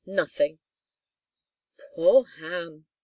"Nothing." "Poor Ham!"